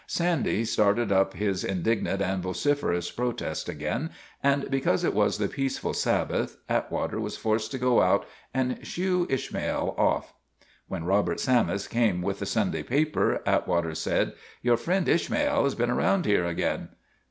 Sandy started up his indignant and vociferous protest again, and because it was the peaceful Sab bath, Atwater was forced to go out and shoo Ishmael off. When Robert Sammis came with the Sunday paper Atwater said, " Your friend Ishmael has been around here again."